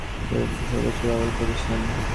প্রযুক্তির সর্বোচ্চ ব্যবহার করছেন।